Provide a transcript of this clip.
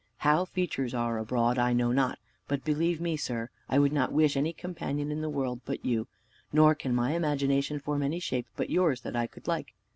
How features are abroad, I know not; but, believe me, sir, I would not wish any companion in the world but you, nor can my imagination form any shape but yours that I could like.